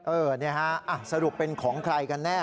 เออสรุปเป็นของใครกันแน่